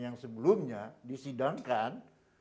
yang sebelumnya disidangkan